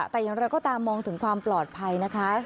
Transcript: แต่อย่างไรก็ตามมองถึงความปลอดภัยนะคะ